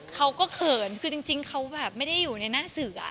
เขินคือจริงเขาแบบไม่ได้อยู่ในหน้าเสือ